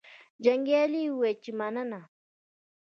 جنګیالي وویل چې مننه.